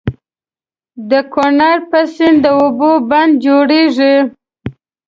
د کنړ په سيند د اوبو بند جوړيږي.